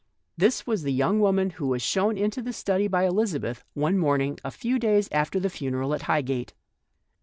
This was the young woman who was shown into the study by Elizabeth one morn ing a few days after the funeral at Highgate.